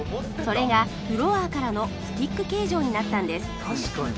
それがフロアからのスティック形状になったんです